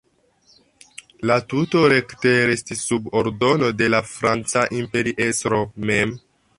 La tuto rekte restis sub ordono de la franca imperiestro mem.